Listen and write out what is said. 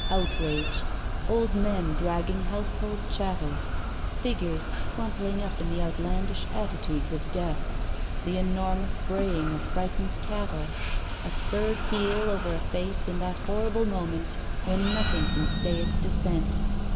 Outrage. Old men dragging household chattels. Figures crumpling up in the outlandish attitudes of death. The enormous bra3dng of frightened cattle. A spurred heel over a face in that horrible moment when nothing can stay its descent.